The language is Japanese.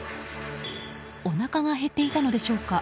おなかが減っていたのでしょうか。